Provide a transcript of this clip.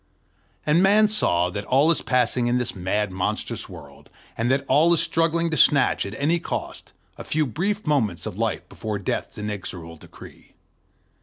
And Man saw that all is passing in this mad, monstrous world, that all is struggling to snatch, at any cost, a few brief moments of life before Death's inexorable decree.